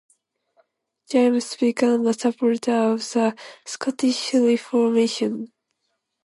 James became a supporter of the Scottish Reformation.